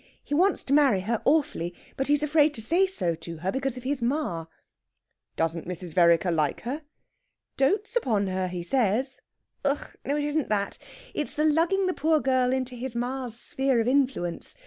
He wants to marry her awfully, but he's afraid to say so to her, because of his ma." "Doesn't Mrs. Vereker like her?" "Dotes upon her, he says. Ug g h! No, it isn't that. It's the lugging the poor girl into his ma's sphere of influence.